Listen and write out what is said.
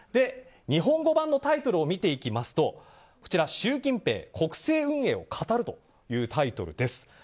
日本語版のタイトルを見ていくと「習近平国政運営を語る」というタイトルです。